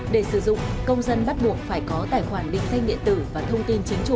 để sử dụng công dân bắt buộc phải có tài khoản định danh điện tử và thông tin chính chủ